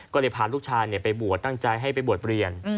ก็เลยพาลูกชายไปบวชตั้งใจให้ไปบวชเรียน